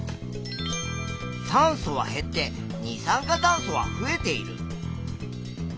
酸素は減って二酸化炭素は増えている。